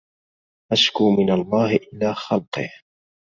أشكو من الله إلى خلقه